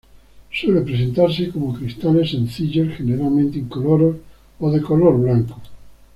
Suele presentarse como cristales sencillos, generalmente incoloros o de color blanco.